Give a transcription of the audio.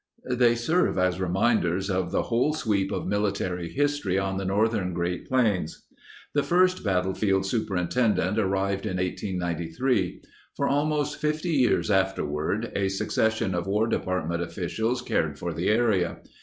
They serve as reminders of the whole sweep of military history on the northern Great Plains. The first battlefield superintendent arrived in 1893. For almost 50 years afterward, a succession of War Department officials cared for the area.